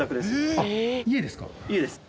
家ですか？